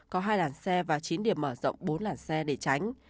có hai làn xe và chín điểm mở rộng bốn làn xe để tránh